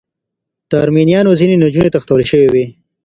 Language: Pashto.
د ارمنیانو ځینې نجونې تښتول شوې وې.